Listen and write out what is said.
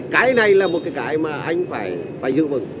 cái này là một cái mà anh phải giữ vững